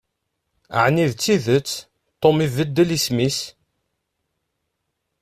Ɛni d tidet ibeddel Tom isem-is?